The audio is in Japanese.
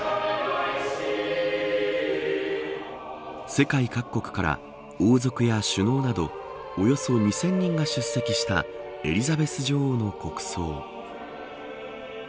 世界各国から王族や首脳などおよそ２０００人が出席したエリザベス女王の国葬。